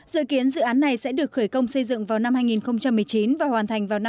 dự kiến dự án này sẽ được khởi công xây dựng vào năm hai nghìn một mươi chín và hoàn thành vào năm hai nghìn hai mươi